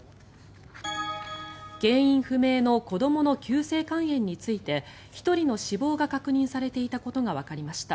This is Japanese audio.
原因不明の子どもの急性肝炎について１人の死亡が確認されていたことがわかりました。